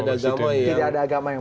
ada agama yang